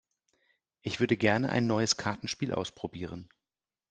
Ich würde gerne ein neues Kartenspiel ausprobieren.